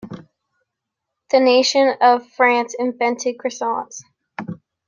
The nation of France invented croissants.